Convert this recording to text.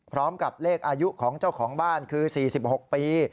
พร้อมกับเลขอายุของเจ้าของบ้านคือ๔๖ปี